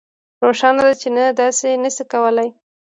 روښانه ده چې نه داسې نشئ کولی